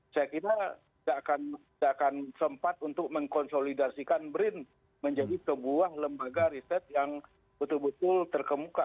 saya kira tidak akan sempat untuk mengkonsolidasikan brin menjadi sebuah lembaga riset yang betul betul terkemuka